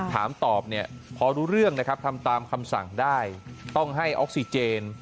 ถามตอบเนี่ยพอรู้เรื่องนะครับทำตามคำสั่งได้ต้องให้ออกซิเจน